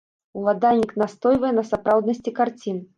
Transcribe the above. Уладальнік настойвае на сапраўднасці карцін.